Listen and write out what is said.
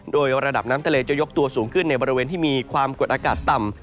โดยระดับน้ำทะเลจะยกตัวสูงขึ้นในบริเวณที่มีความกดอากาศต่ำ